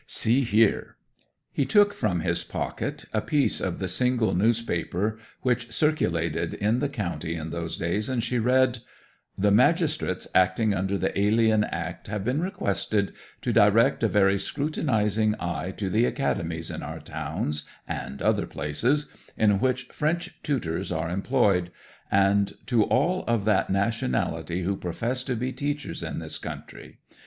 See here." 'He took from his pocket a piece of the single newspaper which circulated in the county in those days, and she read "The magistrates acting under the Alien Act have been requested to direct a very scrutinizing eye to the Academies in our towns and other places, in which French tutors are employed, and to all of that nationality who profess to be teachers in this country.